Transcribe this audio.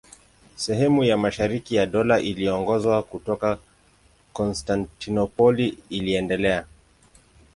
Sehemu ya mashariki ya Dola iliyoongozwa kutoka Konstantinopoli iliendelea.